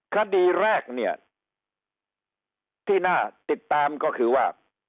คดีแรกเนี่ยที่น่าติดตามก็คือว่า